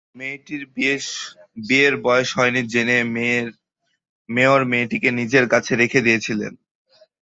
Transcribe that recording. মেয়েটির বিয়ের বয়স হয়নি জেনে মেয়র মেয়েটিকে নিজের কাছে রেখে দিয়েছিলেন।